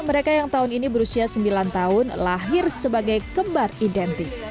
mereka yang tahun ini berusia sembilan tahun lahir sebagai kembar identik